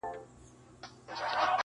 o له خالي توپکه دوه کسه بېرېږي!